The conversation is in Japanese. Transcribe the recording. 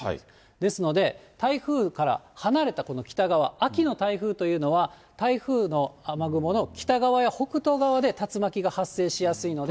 ですので、台風から離れたこの北側、秋の台風というのは、台風の雨雲の北側や北東側で、竜巻が発生しやすいので。